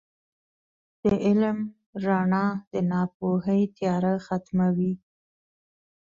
• د علم رڼا د ناپوهۍ تیاره ختموي.